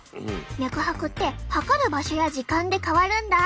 脈拍って測る場所や時間で変わるんだ！